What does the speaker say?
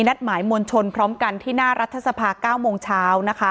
นัดหมายมวลชนพร้อมกันที่หน้ารัฐสภา๙โมงเช้านะคะ